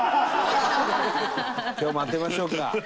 今日も当てましょうか。